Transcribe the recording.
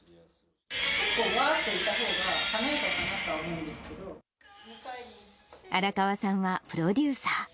結構わーっといたほうが、荒川さんは、プロデューサー。